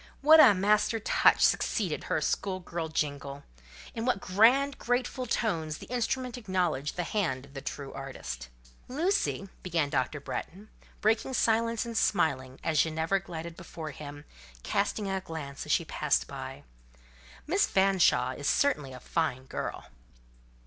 What a master touch succeeded her school girl jingle! In what grand, grateful tones the instrument acknowledged the hand of the true artist! "Lucy," began Dr. Bretton, breaking silence and smiling, as Ginevra glided before him, casting a glance as she passed by, "Miss Fanshawe is certainly a fine girl."